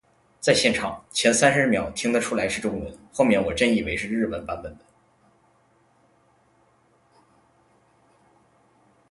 在现场，前三十秒听得出来是中文，后面我真以为是日文版本的